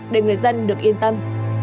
để người dân được yên tâm